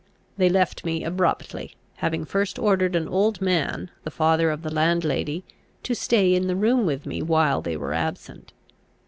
They left me abruptly; having first ordered an old man, the father of the landlady, to stay in the room with me while they were absent.